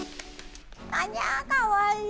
はにゃー、かわいい。